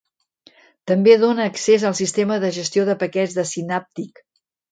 També dona accés al sistema de gestió de paquets de Synaptic.